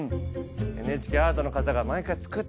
ＮＨＫアートの方が毎回作って。